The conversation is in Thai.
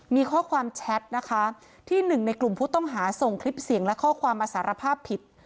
มีข้อความแชทนะคะที่หนึ่งในกลุ่มผู้ต้องหาส่งคลิปเสียงและข้อความมาสารภาพผิด